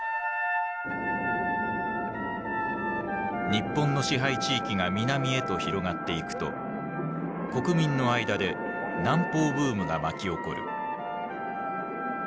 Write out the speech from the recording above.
日本の支配地域が南へと広がっていくと国民の間で南方ブームが巻き起こる。